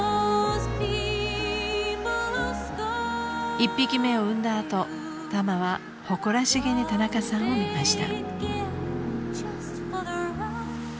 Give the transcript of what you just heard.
［１匹目を産んだ後タマは誇らしげに田中さんを見ました］